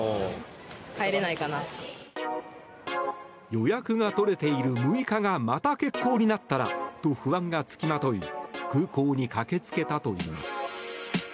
予約が取れている６日がまた欠航になったらと不安が付きまとい空港に駆け付けたといいます。